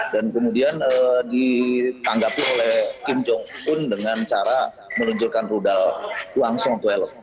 dan kemudian ditanggapi oleh kim jong un dengan cara meluncurkan rudal wang song dua belas